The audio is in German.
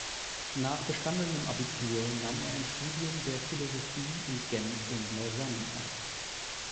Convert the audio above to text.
Nach bestandenem Abitur nahm er ein Studium der Philosophie in Genf und Lausanne auf.